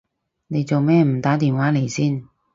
你做咩唔打個電話嚟先？